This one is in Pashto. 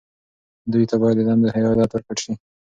دوی ته باید د دندو هدایت ورکړل شي.